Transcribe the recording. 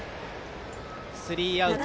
スリーアウト。